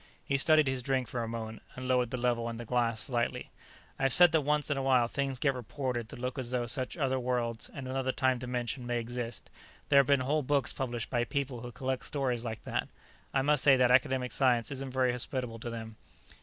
He studied his drink for a moment, and lowered the level in the glass slightly. "I've said that once in a while things get reported that look as though such other worlds, in another time dimension, may exist. There have been whole books published by people who collect stories like that. I must say that academic science isn't very hospitable to them."